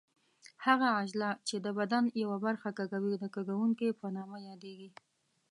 هغه عضله چې د بدن یوه برخه کږوي د کږوونکې په نامه یادېږي.